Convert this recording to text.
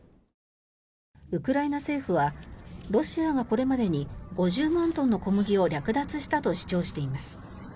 ウクライナ政府は、ロシアがこれまでに５０万トンの小麦を略奪したと主張しています。